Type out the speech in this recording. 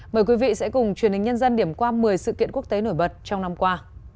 mời quý vị sẽ cùng truyền hình nhân dân điểm qua một mươi sự kiện quốc tế nổi bật trong năm qua